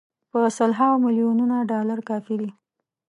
په سل هاوو میلیونه ډالر کافي دي.